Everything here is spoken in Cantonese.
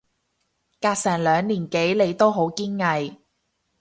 隔成兩年幾你都好堅毅